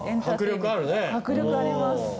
迫力あります。